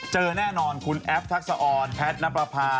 เจอแน่นอนคุณแอฟทักษะออนแพทย์นับประพา